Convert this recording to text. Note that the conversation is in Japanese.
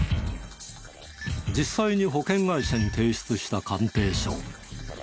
実際に保険会社に提出した鑑定書。